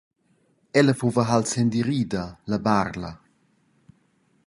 Ella fuva halt s’endirida, la Barla.